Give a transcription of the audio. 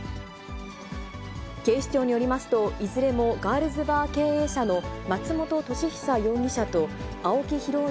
警視庁によりますと、いずれもガールズバー経営者の松本利久容疑者と青木寛臣